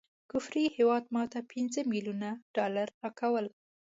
کفري هیواد ماته پنځه ملیونه ډالره راکول.